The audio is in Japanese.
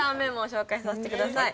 紹介させてください。